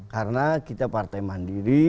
karena kita partai mandiri